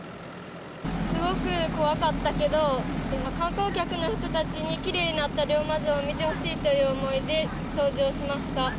すごく怖かったけど、観光客の人たちにきれいになった龍馬像を見てほしいという思いで掃除をしました。